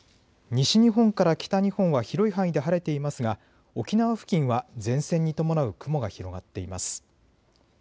西日本から北日本は広い範囲で晴れていますが沖縄付近は前線に伴う雲が広がっています。